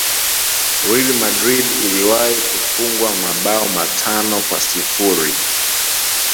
Real Madrid iliwahi kufungwa mabao matano kwa sifuri